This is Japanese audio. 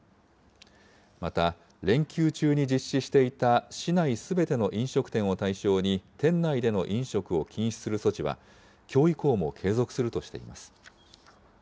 また連休中に実施していた市内すべての飲食店を対象に、店内での飲食を禁止する措置は、きょう以降も継続するとしています。